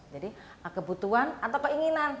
jadi kebutuhan atau keinginan